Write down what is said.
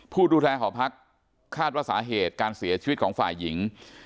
ผู้ดูแลหอพักคาดว่าสาเหตุการเสียชีวิตของฝ่ายหญิง